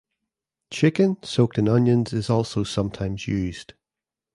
Chicken soaked in onions is also sometimes used.